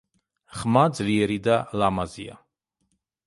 ხმა ძლიერი და ლამაზია.